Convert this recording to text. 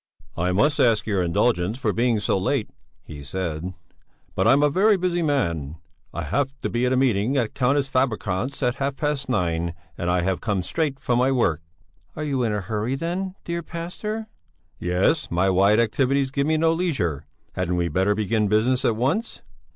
"I must ask your indulgence for being so late," he said, "but I'm a very busy man. I have to be at a meeting at Countess Fabelkrantz's at half past nine, and I have come straight from my work." "Are you in a hurry then, dear pastor?" "Yes, my wide activities give me no leisure. Hadn't we better begin business at once?"